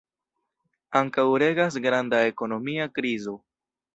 Ankaŭ regas granda ekonomia krizo.